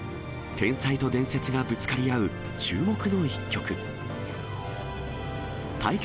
天才と伝説がぶつかり合う注目の一局。